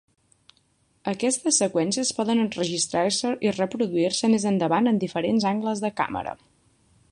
Aquestes seqüències poden enregistrar-se i reproduir-se més endavant en diferents angles de càmera.